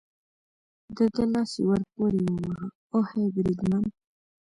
د ده لاس یې ور پورې وواهه، اوهې، بریدمن.